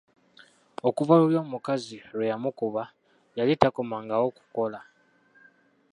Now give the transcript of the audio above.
Okuva luli omukazi lwe yamukuba yali takomangawo kukola.